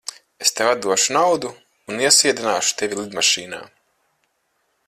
Es tev atdošu naudu un iesēdināšu tevi lidmašīnā.